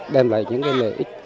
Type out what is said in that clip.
đem lại những cái lợi ích